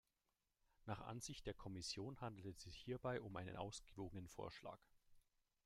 Nach Ansicht der Kommission handelt es sich hierbei um einen ausgewogenen Vorschlag.